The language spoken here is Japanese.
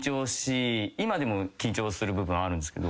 今でも緊張する部分あるんですけど。